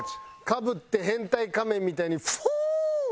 かぶって変態仮面みたいに「フォオオオ！」。